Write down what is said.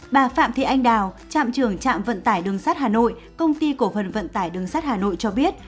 bà phạm thị anh đào trạm trưởng trạm vận tải đường sắt hà nội công ty cổ phần vận tải đường sắt hà nội cho biết